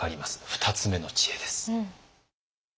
２つ目の知恵です。